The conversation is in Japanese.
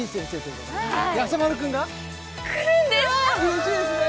うれしいですね！